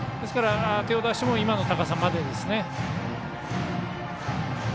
手を出しても今の高さまでですね。